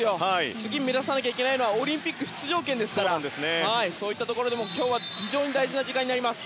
次、目指さないといけないのはオリンピック出場権ですからそういったところでも今日は非常に大事な試合になります。